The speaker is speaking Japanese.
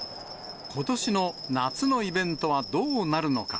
ことしの夏のイベントはどうなるのか。